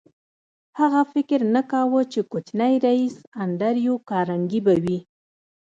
هغه فکر نه کاوه چې کوچنی ريیس انډریو کارنګي به وي